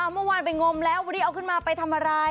เมื่อวานไปงมแล้ววันนี้เอาขึ้นมาไปทำอะไร